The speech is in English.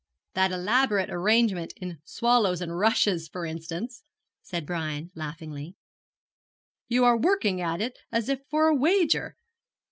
'That elaborate arrangement in swallows and rushes, for instance,' said Brian, laughingly: 'you are working at it as if for a wager.